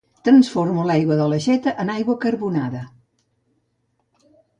Transformo l'aigua de l'aixeta en aigua carbonada.